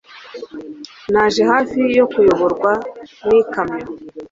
Naje hafi yo kuyoborwa n'ikamyo.